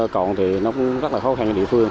còn thì nó cũng rất là khó khăn cho địa phương